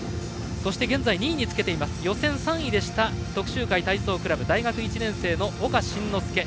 そして２位につけています予選３位でした徳洲会体操クラブ大学１年生の岡慎之助。